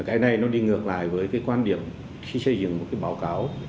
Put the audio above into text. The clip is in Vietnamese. cái này nó đi ngược lại với quan điểm khi xây dựng một báo cáo